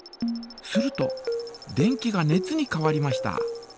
すると電気が熱に変わりました。